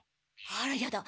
あらやだ。